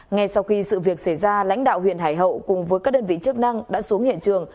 ngay sau khi sự việc xảy ra lãnh đạo huyện hải hậu cùng với các đơn vị chức năng đã xuống hiện trường